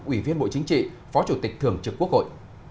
ủy viên bộ chính trị phó chủ tịch thường trực quốc hội